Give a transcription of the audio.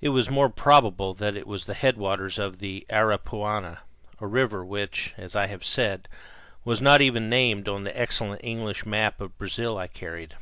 It was more probable that it was the headwaters of the Aripuanan, a river which, as I have said, was not even named on the excellent English map of Brazil I carried.